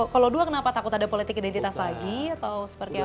kalau dua kenapa takut ada politik identitas lagi atau seperti apa